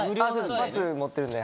パス持ってるんで。